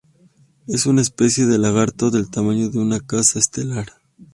Es una especie de lagarto del tamaño de un caza estelar.